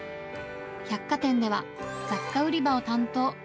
百貨店では雑貨売り場を担当。